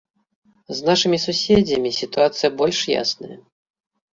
З нашымі суседзямі сітуацыя больш ясная.